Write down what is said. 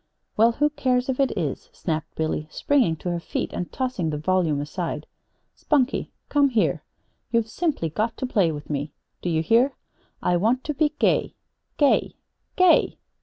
"Well, who cares if it is," snapped Billy, springing to her feet and tossing the volume aside. "Spunkie, come here! You've simply got to play with me. Do you hear? I want to be gay gay GAY!